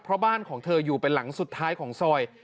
เพราะบ้านของเธออยู่เป็นหลังสุดท้ายของซอย